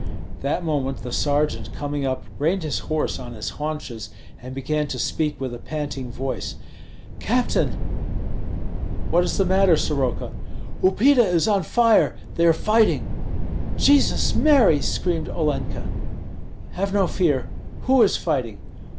That moment the sergeant coming up, reined his horse on his haunches, and began to speak with a panting voice: "Captain! " "What is the matter, Soroka?" "Upita is on fire; they are fighting!" "Jesus Mary!" screamed Olenka. "Have no fear! Who is fighting?"